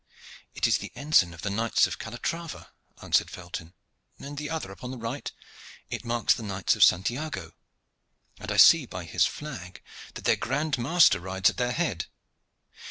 "It is the ensign of the Knights of Calatrava," answered Felton. "And the other upon the right?" "It marks the Knights of Santiago, and I see by his flag that their grand master rides at their head.